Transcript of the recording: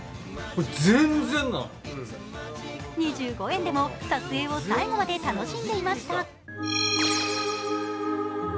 ２５円でも撮影を最後まで楽しんでいました。